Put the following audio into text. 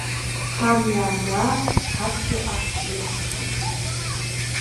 Ҳамҩа анаат, ҳаԥхьаҟа ҳҿынаҳхеит.